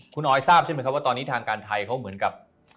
คุณออยทราบใช่ไหมครับว่าตอนนี้ทางการไทยเขาเหมือนกับ